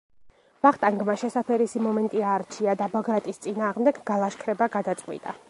ვახტანგმა შესაფერისი მომენტი აარჩია და ბაგრატის წინააღმდეგ გალაშქრება გადაწყვიტა.